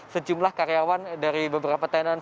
sejumlah karyawan dari beberapa tenan